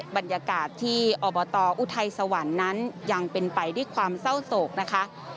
บรรยากาศที่อบตอุทัยสวรรค์นั้นยังเป็นไปด้วยความเศร้าโศกนะคะ